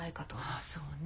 ああそうね。